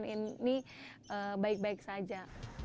ini baik baik saja